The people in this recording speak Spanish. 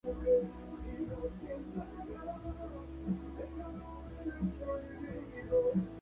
Su dueño y fundador es el ex futbolista Iván Zamorano Zamora.